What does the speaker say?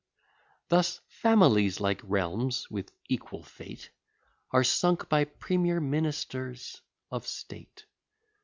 Thus families, like realms, with equal fate, Are sunk by premier ministers of state.